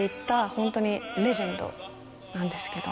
本当にレジェンドなんですけども。